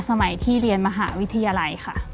สมัยที่เรียนมหาวิทยาลัยค่ะ